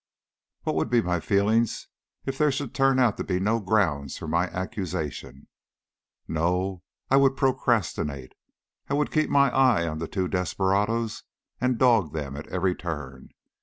What would be my feelings if there should turn out to be no grounds for my accusation? No, I would procrastinate; I would keep my eye on the two desperadoes and dog them at every turn.